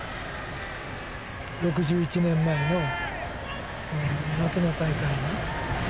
６１年前の夏の大会の。